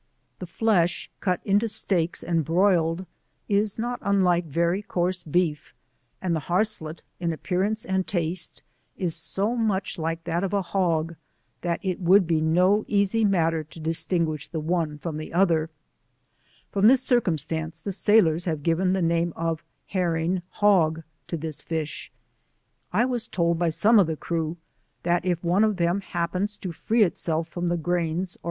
The flesh cut into steaks and broiled, is not unlike very coarse beef, and the harslet in appearance and taste is so much like that of a hog, that it would be no easy matter to distinguish the one from the other; from this circumstance the sailors have given the name of the herring hog to this fish; I was told by some of the crew, that if one of them happens to free itself from the grains or